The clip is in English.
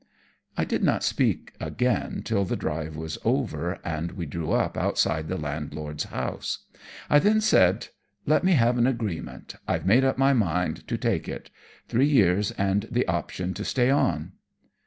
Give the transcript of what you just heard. I did not speak again till the drive was over, and we drew up outside the landlord's house. I then said, "Let me have an agreement. I've made up my mind to take it. Three years and the option to stay on."